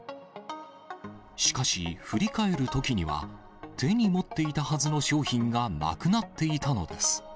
しかし、振り返るときには手に持っていたはずの商品がなくなっていたのです。